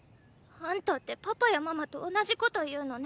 ⁉あんたってパパやママと同じこと言うのね。